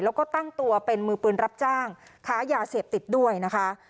แล้วก็ตั้งตัวเป็นมือปืนรับจ้างค้ายาเสพติดด้วยนะคะ